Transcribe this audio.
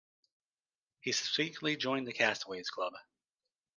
He subsequently joined the Castaways' Club.